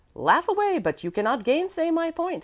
"Laugh away, but you cannot gainsay my point.